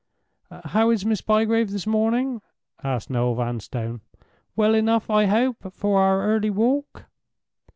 "How is Miss Bygrave this morning?" asked Noel Vanstone. "Well enough, I hope, for our early walk?"